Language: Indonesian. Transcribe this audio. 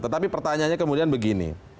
tetapi pertanyaannya kemudian begini